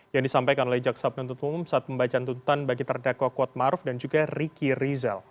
yang disampaikan oleh jaksa penuntut umum saat pembacaan tuntutan bagi terdakwa kuatmaruf dan juga riki rizal